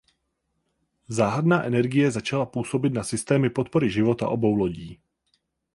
Záhadná energie začala působit na systémy podpory života obou lodí.